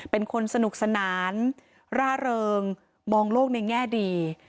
เป็นคนสนุกสนานร่าเริงมองโลกในแง่ดี